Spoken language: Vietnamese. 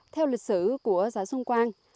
theo lịch sử của xã xuân quang